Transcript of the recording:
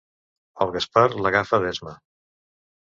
El Gaspar l'agafa d'esma.